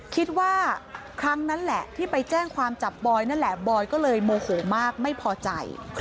คิดว่าครั้งนั้นแหละที่ไปแจ้งความจับบอยนั่นแหละบอยก็เลยโมโหมากไม่พอใจ